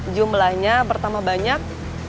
jumlahnya pertama banyak